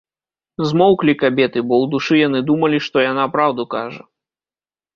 Змоўклі кабеты, бо ў душы яны думалі, што яна праўду кажа.